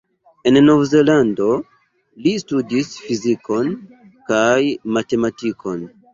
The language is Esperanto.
En Novzelando, li studis fizikon kaj matematikon.